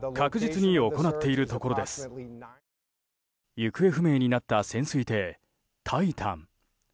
行方不明になった潜水艇「タイタン」。